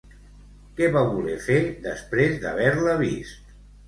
Què va voler fer després d'haver-la vist?